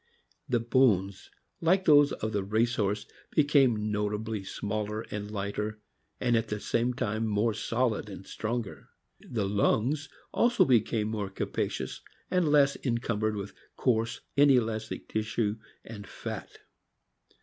The bones, like those of the race horse, became notably smaller and lighter, and at the same time more solid and stronger. The lungs also became more capacious, and less encumbered with coarse, inelastic tissue and fat.